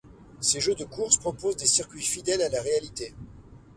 Ces jeux de course proposent des circuits fidèles à la réalité.